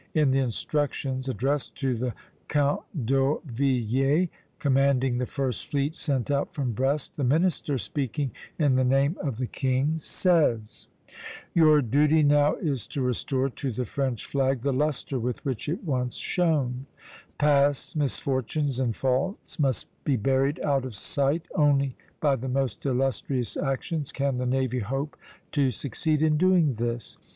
In the instructions addressed to the Count d'Orvilliers, commanding the first fleet sent out from Brest, the minister, speaking in the name of the king, says: "Your duty now is to restore to the French flag the lustre with which it once shone; past misfortunes and faults must be buried out of sight; only by the most illustrious actions can the navy hope to succeed in doing this.